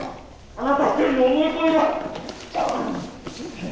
あなた一人の思い込みだ！」。